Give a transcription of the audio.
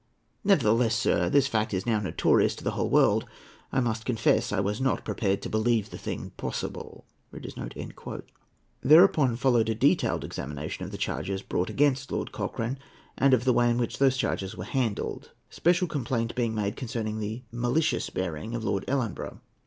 Nevertheless, sir, this fact is now notorious to the whole world. I must confess I was not prepared to believe the thing possible." Thereupon followed a detailed examination of the charges brought against Lord Cochrane, and of the way in which those charges were handled, special complaint being made concerning the malicious bearing of Lord Ellenborough.